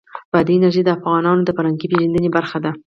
بادي انرژي د افغانانو د فرهنګي پیژندنې برخه ده.